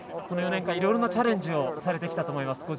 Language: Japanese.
この４年間いろいろなチャレンジをされてきたと思います。